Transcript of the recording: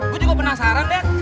gua juga penasaran dek